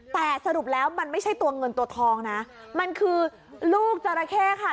แต่สรุปแล้วมันไม่ใช่ตัวเงินตัวทองนะมันคือลูกจราเข้ค่ะ